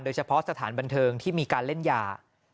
โดยเฉพาะสถานบันเทิงที่มีการเล่นยา